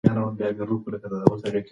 رحیم مېلمنو ته ماشومان نه پرېږدي.